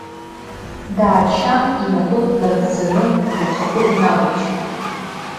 Дааччан, инапы наргӡаны лхахәы иналишьит.